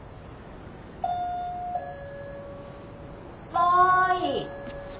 はい。